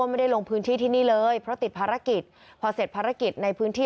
ไม่ได้ลงพื้นที่ที่นี่เลยเพราะติดภารกิจพอเสร็จภารกิจในพื้นที่